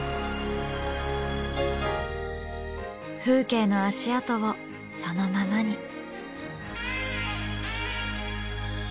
風景の足跡をそのままに。